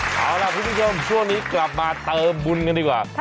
เอาล่ะคุณผู้ชมช่วงนี้กลับมาเติมบุญกันดีกว่า